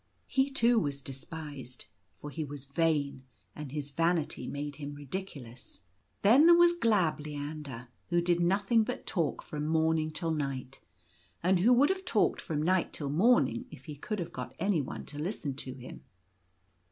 He too was despised, for he was vain, and his vanity made him ridiculous. Then there was Gabbleander, who did nothing but talk from morning till night; and who would have talked from night till morning if he could have got any one to listen to him.